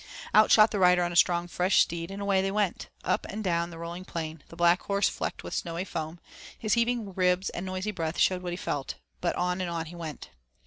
Out shot the rider on a strong, fresh steed, and away they went up and down on the rolling plain the Black Horse flecked with snowy foam. His heaving ribs and noisy breath showed what he felt but on and on he Went.